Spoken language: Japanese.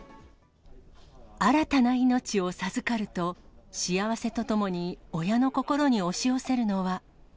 新たな命を授かると、幸せとともに親の心に押し寄せるのは。